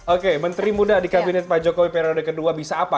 oke menteri muda di kabinet pak jokowi periode kedua bisa apa